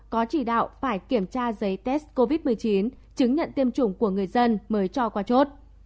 có chỉ đạo phải kiểm tra giấy test covid một mươi chín chứng nhận tiêm chủng của người dân mới cho qua chốt